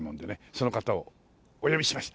その方をお呼びします。